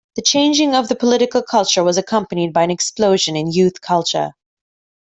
The changing of the political culture was accompanied by an explosion in youth culture.